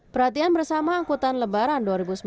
perhatian bersama angkutan lebaran dua ribu sembilan belas